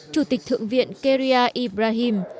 chủ tịch thượng viện keria ibrahim